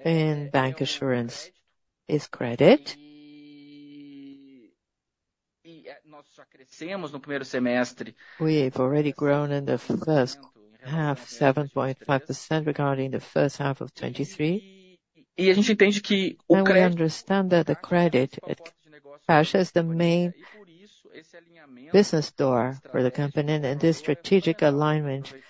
in bank assurance is credit. We've already grown in the first half, 7.5% regarding the first half of 2023. And we understand that the credit at Caixa is the main business door for the company, and this strategic alignment is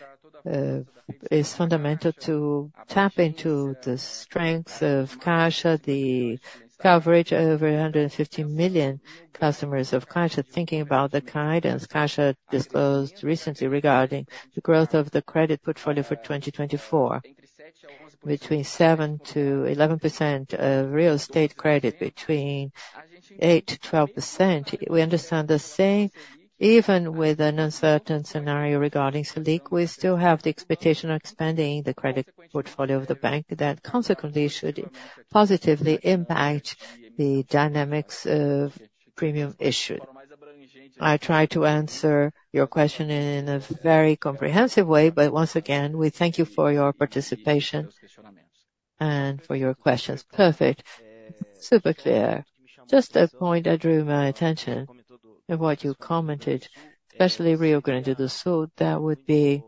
fundamental to tap into the strengths of Caixa, the coverage over 150 million customers of Caixa. Thinking about the guidance, Caixa disclosed recently regarding the growth of the credit portfolio for 2024, between 7%-11%, real estate credit between 8%-12%. We understand the same, even with an uncertain scenario regarding Selic, we still have the expectation of expanding the credit portfolio of the bank. That consequently should positively impact the dynamics of premium issue. I tried to answer your question in a very comprehensive way, but once again, we thank you for your participation and for your questions. Perfect. Super clear. Just a point that drew my attention of what you commented, especially Rio Grande do Sul, that would be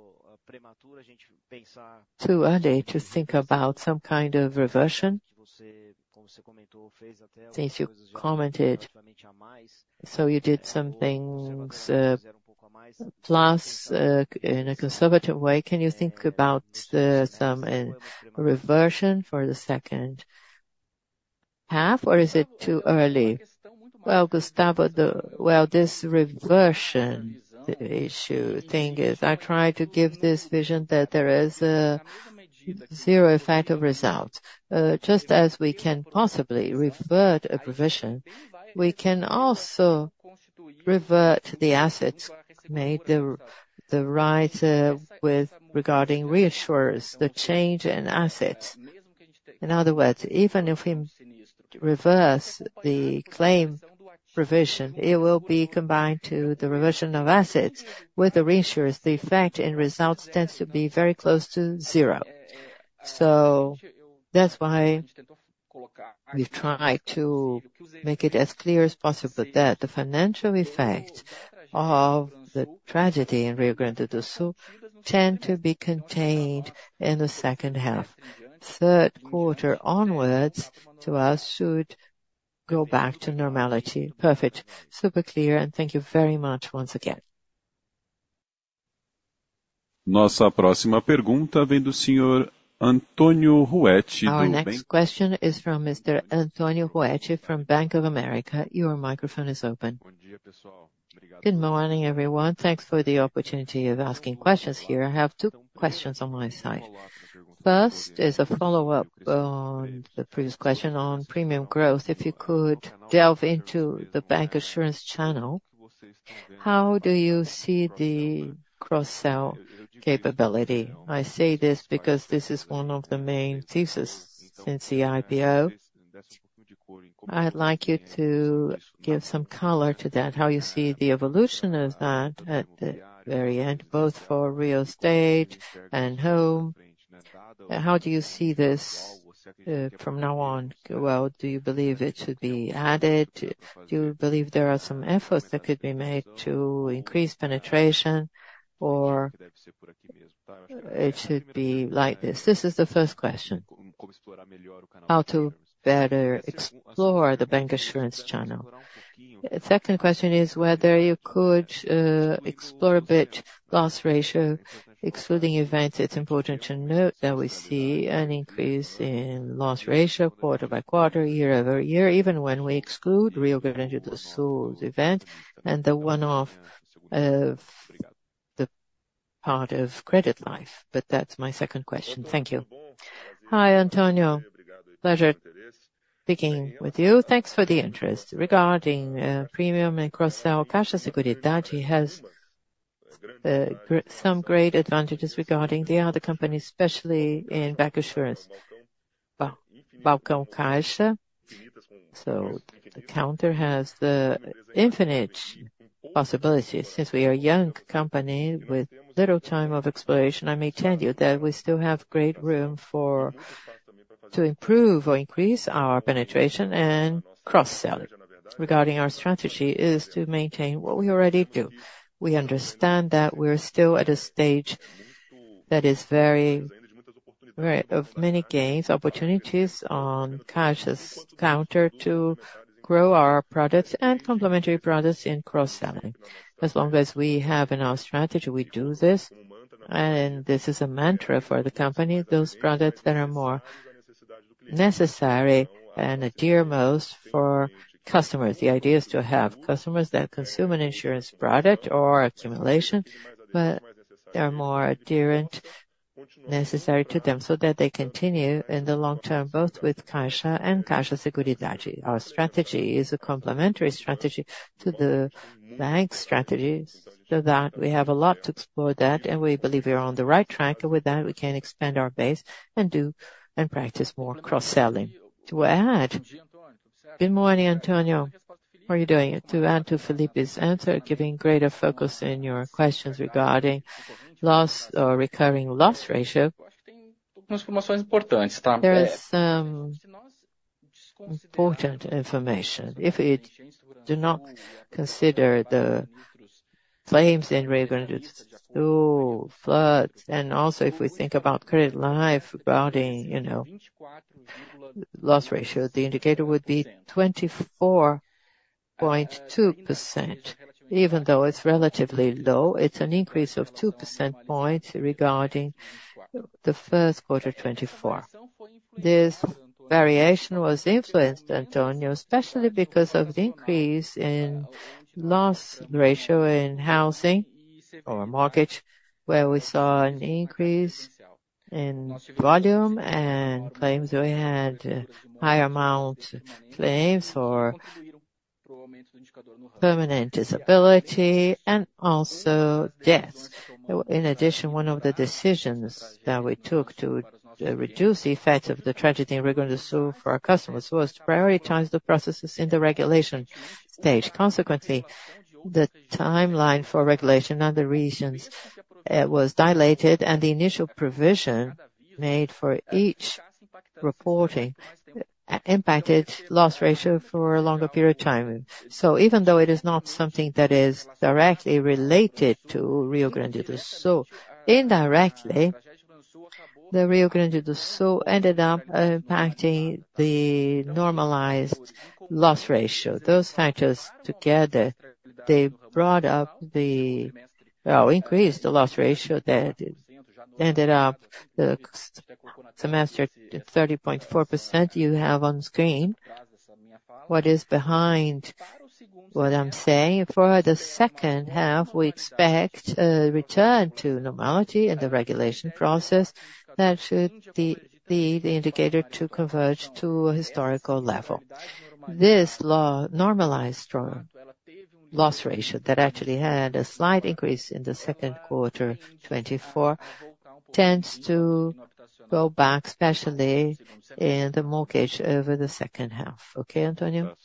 too early to think about some kind of reversion, since you commented, so you did some things, plus, in a conservative way. Can you think about some reversion for the second half? Half, or is it too early? Well, Gustavo, well, this reversion, the issue thing is I try to give this vision that there is a zero effect of results. Just as we can possibly revert a provision, we can also revert the assets, made the, the right, with regard to reinsurers, the change in assets. In other words, even if we reverse the claim provision, it will be combined to the reversion of assets with the reinsurers. The effect in results tends to be very close to zero. So that's why we try to make it as clear as possible that the financial effect of the tragedy in Rio Grande do Sul tends to be contained in the second half. Third quarter onwards, to us, should go back to normality. Perfect. Super clear, and thank you very much once again. Our next question is from Mr. Antonio Ruete from Bank of America. Your microphone is open. Good morning, everyone. Thanks for the opportunity of asking questions here. I have two questions on my side. First is a follow-up on the previous question on premium growth. If you could delve into the bank assurance channel, how do you see the cross-sell capability? I say this because this is one of the main thesis since the IPO. I'd like you to give some color to that, how you see the evolution of that at the very end, both for real estate and home. How do you see this from now on? Well, do you believe it should be added? Do you believe there are some efforts that could be made to increase penetration, or it should be like this? This is the first question: How to better explore the bank insurance channel? Second question is whether you could explore a bit loss ratio, excluding events. It's important to note that we see an increase in loss ratio, quarter-by-quarter, year-over-year, even when we exclude Rio Grande do Sul event and the one-off of the part of credit life. But that's my second question. Thank you. Hi, Antonio. Pleasure speaking with you. Thanks for the interest. Regarding premium and cross-sell, Caixa Seguridade has some great advantages regarding the other companies, especially in bank insurance. Balcão Caixa, so the counter has the infinite possibilities. Since we are a young company with little time of exploration, I may tell you that we still have great room for, to improve or increase our penetration and cross-sell. Regarding our strategy is to maintain what we already do. We understand that we're still at a stage that is very, very of many gains, opportunities on Caixa's counter to grow our products and complementary products in cross-selling. As long as we have in our strategy, we do this, and this is a mantra for the company, those products that are more necessary and adhere most for customers. The idea is to have customers that consume an insurance product or accumulation, but they are more adherent, necessary to them, so that they continue in the long term, both with Caixa and Caixa Seguridade. Our strategy is a complementary strategy to the bank's strategies, so that we have a lot to explore that, and we believe we are on the right track. With that, we can expand our base and do and practice more cross-selling. To add. Good morning, Antonio. How are you doing? To add to Felipe's answer, giving greater focus in your questions regarding loss or recurring loss ratio, there is some important information. If we do not consider the claims in Rio Grande do Sul, floods, and also if we think about credit life regarding, you know, loss ratio, the indicator would be 24.2%. Even though it's relatively low, it's an increase of 2 percentage points regarding the first quarter 2024. This variation was influenced, Antonio, especially because of the increase in loss ratio in housing or mortgage, where we saw an increase in volume and claims. We had a high amount of claims for permanent disability and also deaths. In addition, one of the decisions that we took to reduce the effect of the tragedy in Rio Grande do Sul for our customers was prioritize the processes in the regulation stage. Consequently, the timeline for regulation and the regions was dilated, and the initial provision made for each reporting impacted loss ratio for a longer period of time. So even though it is not something that is directly related to Rio Grande do Sul, indirectly, the Rio Grande do Sul ended up impacting the normalized loss ratio. Those factors together, they increased the loss ratio that ended up the semester 30.4%, you have on Screen. What is behind what I'm saying, for the second half, we expect a return to normality in the regulation process that should be the indicator to converge to a historical level. This law normalized strong loss ratio that actually had a slight increase in the second quarter 2024, tends to go back, especially in the mortgage over the second half. Okay, Antonio?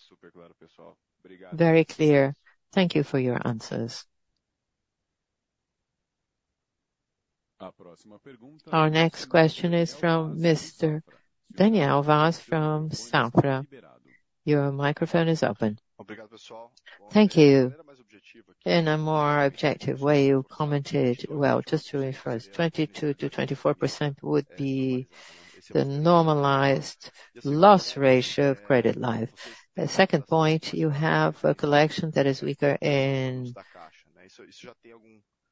Very clear. Thank you for your answers. Our next question is from Mr. Daniel Vaz from Safra. Your microphone is open. Thank you. In a more objective way, you commented, well, just to rephrase, 22%-24% would be the normalized loss ratio of credit life. The second point, you have a collection that is weaker in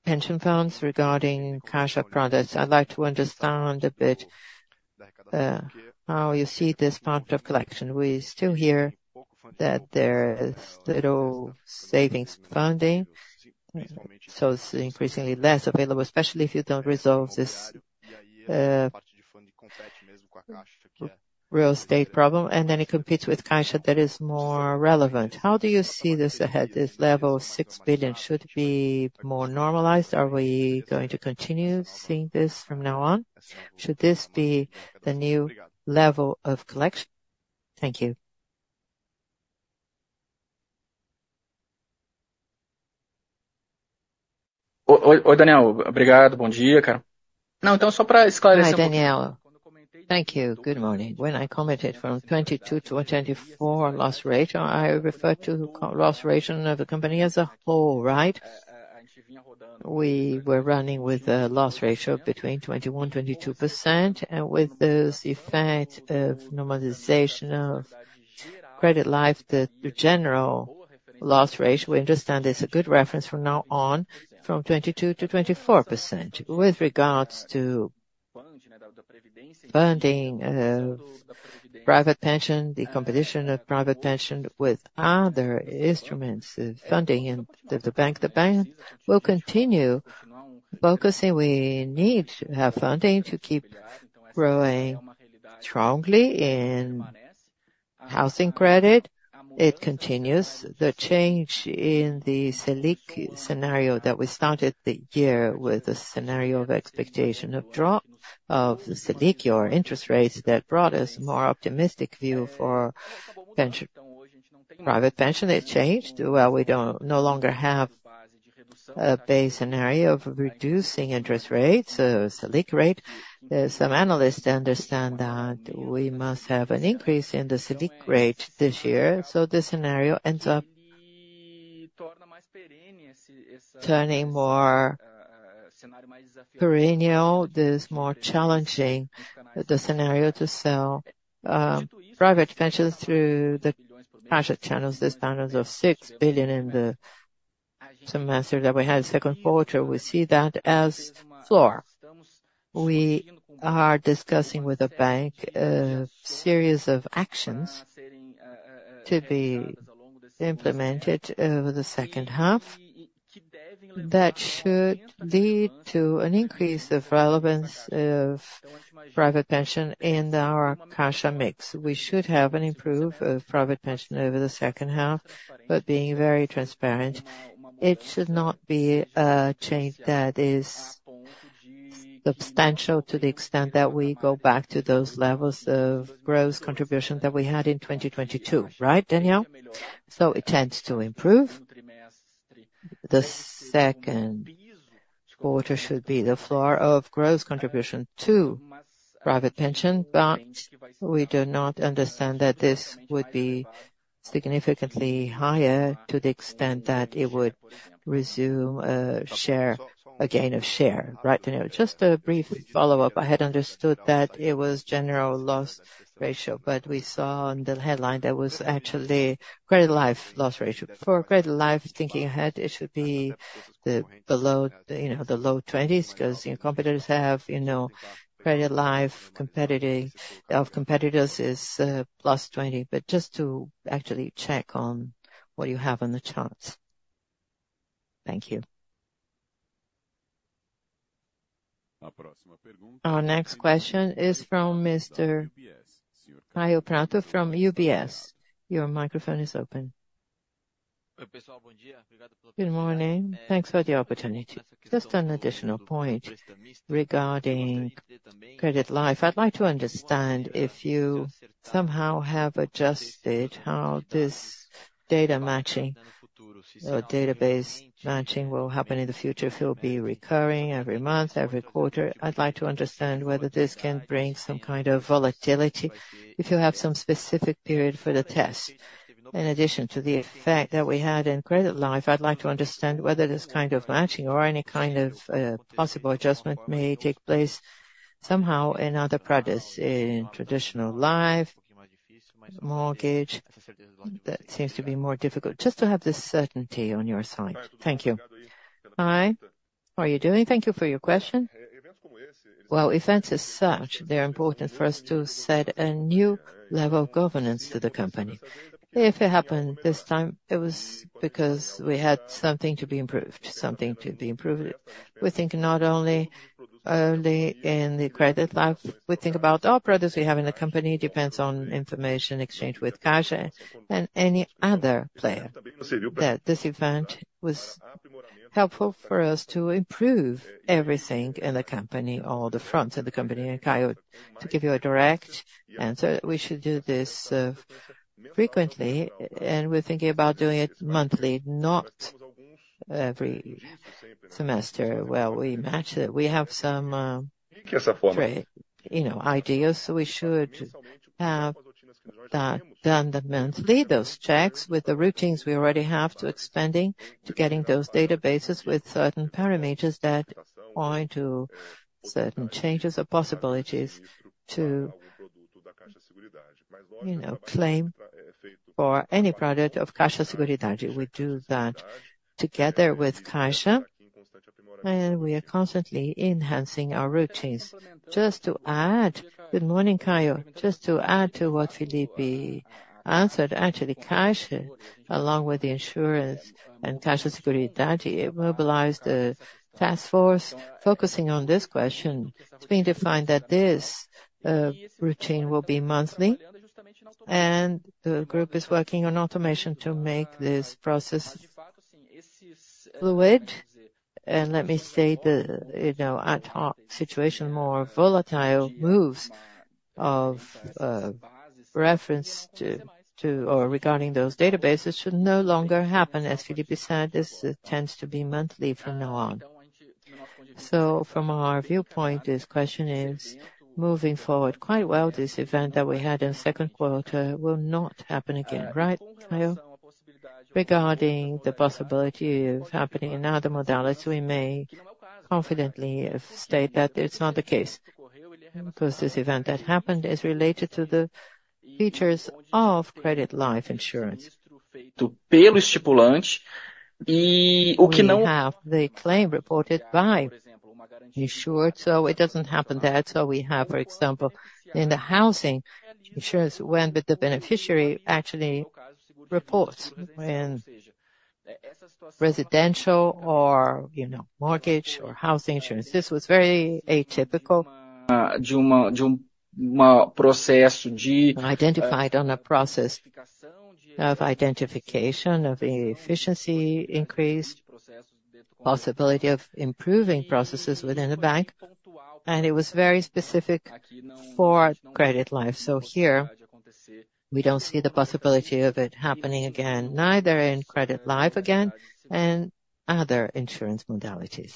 pension funds regarding cash products. I'd like to understand a bit, how you see this part of collection. We still hear that there is little savings funding, so it's increasingly less available, especially if you don't resolve this real estate problem, and then it competes with cash that is more relevant. How do you see this ahead, this level of 6 billion should be more normalized? Are we going to continue seeing this from now on? Should this be the new level of collection? Thank you. Hi, Daniel. Thank you. Good morning. When I commented from 2022 to 2024 loss ratio, I referred to combined loss ratio of the company as a whole, right? We were running with a loss ratio between 21%-22%, and with this effect of normalization of credit life, the general loss ratio, we understand there's a good reference from now on, from 22%-24%. With regards to funding, private pension, the competition of private pension with other instruments, funding and the bank. The bank will continue focusing. We need to have funding to keep growing strongly in housing credit. It continues the change in the Selic scenario that we started the year with a scenario of expectation of drop of Selic, or interest rates, that brought us more optimistic view for pension. Private pension, it changed. Well, we don't no longer have a base scenario of reducing interest rates, Selic rate. There are some analysts understand that we must have an increase in the Selic rate this year, so the scenario ends up turning more perennial. There's more challenging the scenario to sell, private pensions through the project channels. This balance of 6 billion in the semester that we had, second quarter, we see that as floor. We are discussing with the bank, series of actions to be implemented over the second half. That should lead to an increase of relevance of private pension in our cash mix. We should have an improvement of private pension over the second half, but being very transparent, it should not be a change that is substantial to the extent that we go back to those levels of gross contribution that we had in 2022. Right, Daniel? So it tends to improve. The second quarter should be the floor of gross contribution to private pension, but we do not understand that this would be significantly higher to the extent that it would resume a share, a gain of share. Right, Daniel? Just a brief follow-up. I had understood that it was general loss ratio, but we saw on the headline that was actually credit life loss ratio. For credit life, thinking ahead, it should be the low, you know, the low twenties, because, you know, competitors have, you know, credit life competitive. Of competitors is +20. But just to actually check on what you have on the charts. Thank you. Our next question is from Mr. Caio Prato from UBS. Your microphone is open. Good morning. Thanks for the opportunity. Just an additional point regarding credit life. I'd like to understand if you somehow have adjusted how this data matching or database matching will happen in the future, if it will be recurring every month, every quarter. I'd like to understand whether this can bring some kind of volatility, if you have some specific period for the test. In addition to the effect that we had in credit life, I'd like to understand whether this kind of matching or any kind of possible adjustment may take place somehow in other products, in traditional life? Mortgage, that seems to be more difficult. Just to have the certainty on your side. Thank you. Hi, how are you doing? Thank you for your question. Well, events as such, they're important for us to set a new level of governance to the company. If it happened this time, it was because we had something to be improved, something to be improved. We think not only, only in the credit life, we think about all products we have in the company, depends on information exchange with Caixa and any other player, that this event was helpful for us to improve everything in the company or the fronts of the company. Caio, to give you a direct answer, we should do this frequently, and we're thinking about doing it monthly, not every semester. Well, we match it. We have some, you know, ideas, so we should have that done, the monthly, those checks with the routines we already have to expanding to getting those databases with certain parameters that point to certain changes or possibilities to, you know, claim for any product of Caixa Seguridade. We do that together with Caixa, and we are constantly enhancing our routines. Just to add. Good morning, Caio. Just to add to what Felipe answered, actually, Caixa, along with the insurance and Caixa Seguridade, it mobilized a task force focusing on this question. It's been defined that this routine will be monthly, and the group is working on automation to make this process fluid. And let me say that, you know, ad hoc situation, more volatile moves of, reference to or regarding those databases, should no longer happen. As Felipe said, this tends to be monthly from now on. So from our viewpoint, this question is moving forward quite well. This event that we had in second quarter will not happen again, right, Caio? Regarding the possibility of happening in other modalities, we may confidently state that it's not the case, because this event that happened is related to the features of credit life insurance. We have the claim reported by insured, so it doesn't happen there. So we have, for example, in the housing insurance, when the beneficiary actually reports, when residential or, you know, mortgage or house insurance. This was very atypical, identified on a process of identification, of efficiency increase, possibility of improving processes within a bank, and it was very specific for credit life. So here, we don't see the possibility of it happening again, neither in credit life again and other insurance modalities.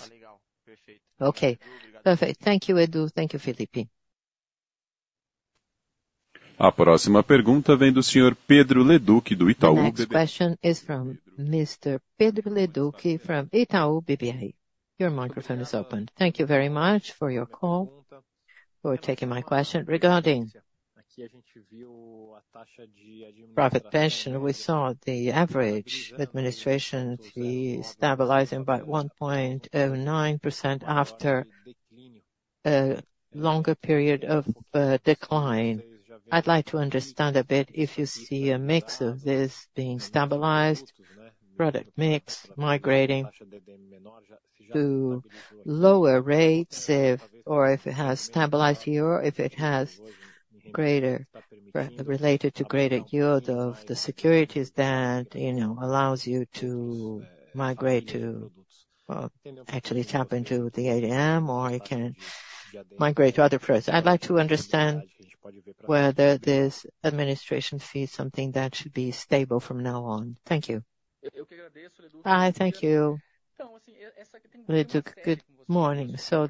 Okay, perfect. Thank you, Edu. Thank you, Felipe. The next question is from Mr. Pedro Leduc from Itaú BBA. Your microphone is open. Thank you very much for your call, for taking my question. Regarding private pension, we saw the average administration fee stabilizing by 1.09% after a longer period of decline. I'd like to understand a bit if you see a mix of this being stabilized, product mix migrating to lower rates, or if it has stabilized year, or if it has greater related to greater yield of the securities that, you know, allows you to migrate to, actually tap into the ATM, or you can migrate to other products. I'd like to understand whether this administration fee is something that should be stable from now on. Thank you. Thank you, Leduc. Good morning. So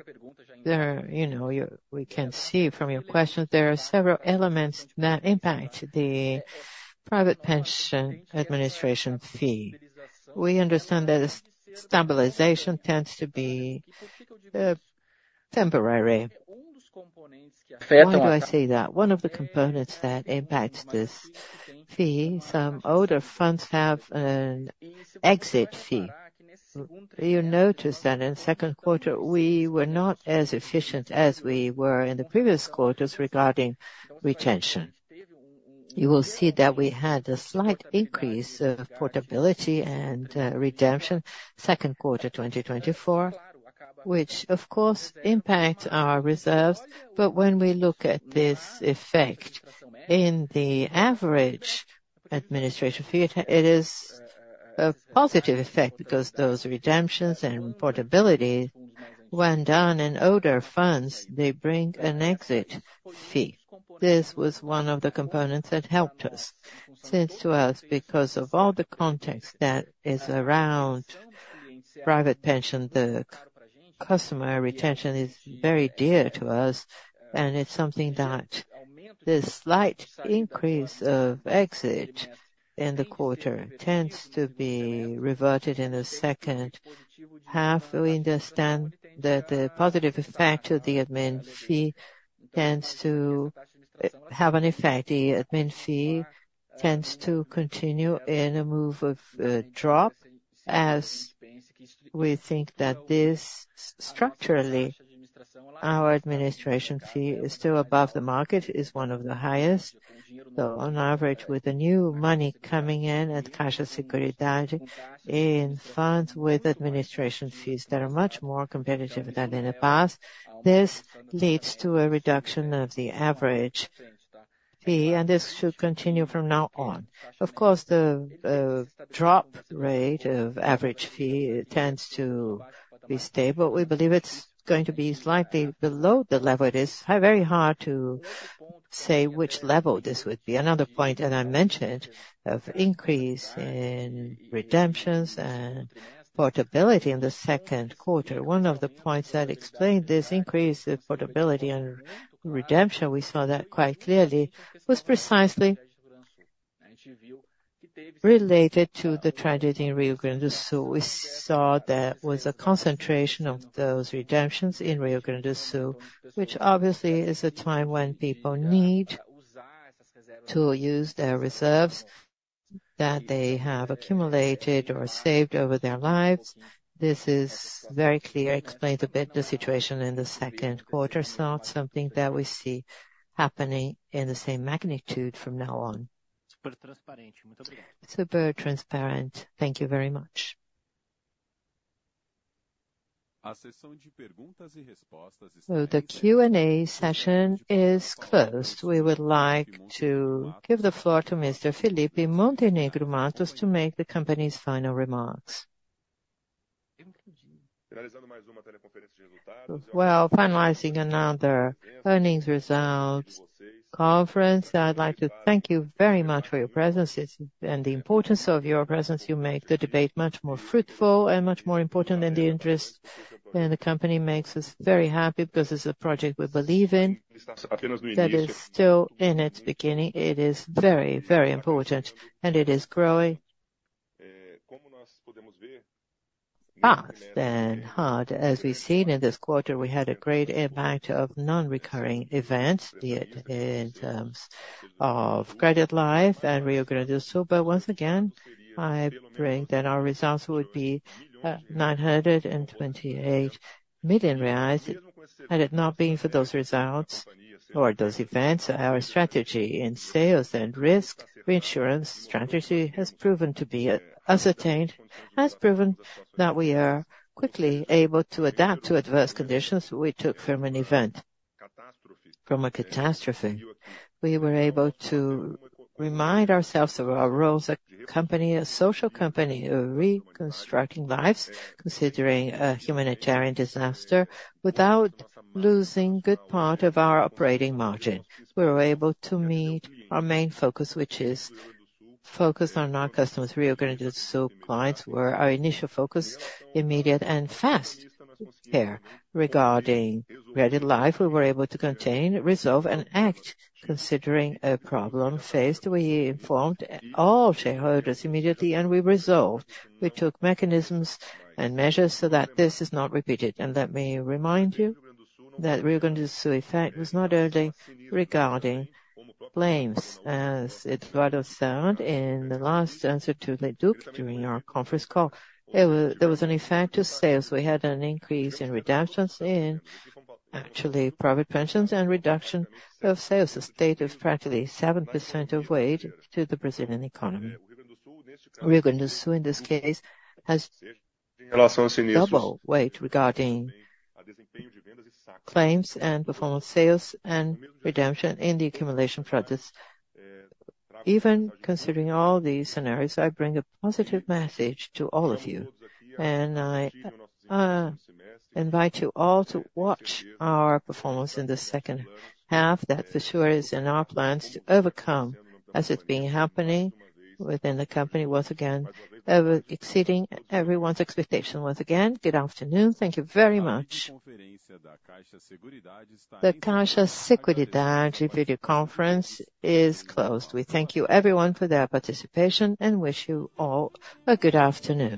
there, you know, we can see from your question, there are several elements that impact the private pension administration fee. We understand that a stabilization tends to be temporary. Why do I say that? One of the components that impacts this fee, some older funds have an exit fee. You notice that in second quarter, we were not as efficient as we were in the previous quarters regarding retention. You will see that we had a slight increase of portability and redemption second quarter 2024, which of course impacts our reserves. But when we look at this effect in the average administration fee, it is a positive effect because those redemptions and portability, when done in older funds, they bring an exit fee. This was one of the components that helped us, since to us, because of all the context that is around private pension, the customer retention is very dear to us, and it's something that the slight increase of exit. In the quarter, tends to be reverted in the second half. We understand that the positive effect of the admin fee tends to have an effect. The admin fee tends to continue in a move of drop, as we think that this structurally, our administration fee is still above the market, is one of the highest. So on average, with the new money coming in at Caixa Seguridade, in funds with administration fees that are much more competitive than in the past, this leads to a reduction of the average fee, and this should continue from now on. Of course, the drop rate of average fee tends to be stable. We believe it's going to be slightly below the level. It is very hard to say which level this would be. Another point that I mentioned, of increase in redemptions and portability in the second quarter. One of the points that explained this increase in portability and redemption, we saw that quite clearly, was precisely related to the tragedy in Rio Grande do Sul. We saw there was a concentration of those redemptions in Rio Grande do Sul, which obviously is a time when people need to use their reserves that they have accumulated or saved over their lives. This is very clear, explains a bit the situation in the second quarter. It's not something that we see happening in the same magnitude from now on. Super transparent. Thank you very much. So the Q&A session is closed. We would like to give the floor to Mr. Felipe Montenegro Matos to make the company's final remarks. Well, finalizing another earnings results conference, I'd like to thank you very much for your presence and, and the importance of your presence. You make the debate much more fruitful and much more important than the interest, and the company makes us very happy because this is a project we believe in, that is still in its beginning. It is very, very important, and it is growing, fast and hard. As we've seen in this quarter, we had a great impact of non-recurring events, be it in terms of credit life and Rio Grande do Sul. But once again, I think that our results would be 928 million reais, had it not been for those results or those events. Our strategy in sales and risk, reinsurance strategy, has proven to be ascertained, has proven that we are quickly able to adapt to adverse conditions we took from an event, from a catastrophe. We were able to remind ourselves of our roles, a company, a social company, reconstructing lives, considering a humanitarian disaster, without losing good part of our operating margin. We were able to meet our main focus, which is focus on our customers. Rio Grande do Sul clients were our initial focus, immediate and fast care. Regarding credit life, we were able to contain, resolve, and act, considering a problem faced. We informed all shareholders immediately, and we resolved. We took mechanisms and measures so that this is not repeated. Let me remind you that Rio Grande do Sul effect was not only regarding claims, as Eduardo said in the last answer to Leduc during our conference call. There was an effect to sales. We had an increase in redemptions in actually private pensions and reduction of sales, a state of practically 7% of weight to the Brazilian economy. Rio Grande do Sul, in this case, has double weight regarding claims and performance, sales and redemption in the accumulation practice. Even considering all these scenarios, I bring a positive message to all of you, and I invite you all to watch our performance in the second half, that for sure is in our plans to overcome, as it's been happening within the company once again, over exceeding everyone's expectation once again. Good afternoon. Thank you very much. The Caixa Seguridade video conference is closed. We thank you everyone for their participation and wish you all a good afternoon.